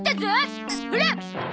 ほら！